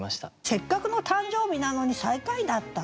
せっかくの誕生日なのに最下位だった。